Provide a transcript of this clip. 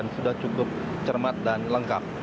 sudah cukup cermat dan lengkap